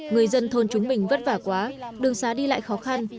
người dân thôn chúng mình vất vả quá đường xá đi lại khó khăn